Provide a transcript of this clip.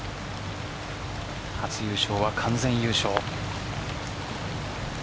初優勝は完全優勝。